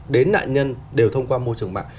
đến nạn nhân đều thông qua môi trường mạng